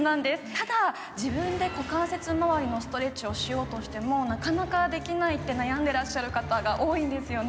ただ、自分で股関節周りのストレッチをしようと思ってもなかなかできないって悩んでらっしゃる方が多いんですよね。